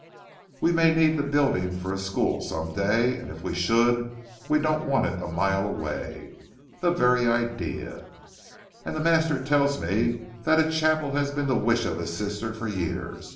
We may need the building for a school some day, and if we should, we don't want it a mile away. The very idea! And the master tells me that a chapel has been the wish of his sister for years.